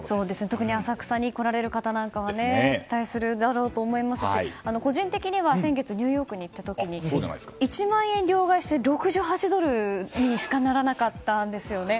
特に浅草に来られる方なんかは期待するだろうと思いますし個人的には先月ニューヨークに行った時に１万円を両替えして６８ドルにしかならなかったんですよね。